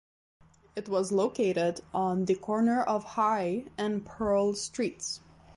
It was located on the corner of High and Pearl Streets.